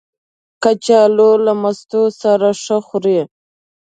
کچالو له مستو سره ښه خوري